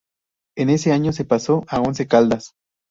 En ese año se pasó a Once Caldas.